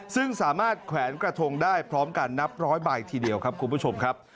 ซึ่งสามารถแขวนกระทงได้พร้อมกันนับร้อยใบทีเดียวครับคุณผู้ชมครับ